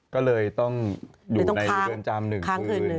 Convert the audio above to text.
ก็เลยต้องหนูในเวลาจำ๑คืน